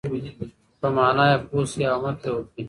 په معنی یې پوه شئ او عمل پرې وکړئ.